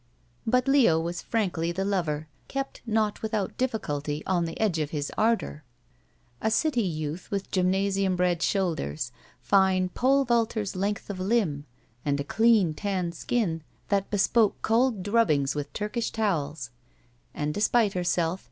But Leo was frankly the lover, kept not without diflBculty on the edge of his ardor. A city youth with gymnasium bred shoulders, fine, pole vaulter's length of limb, and a dean tan skin that bespoke cold drubbings with Turkish towels. And despite herself.